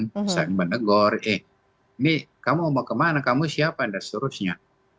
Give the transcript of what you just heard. misalnya menegur eh nih kamu mau ke mana kamu siapa dan seterusnya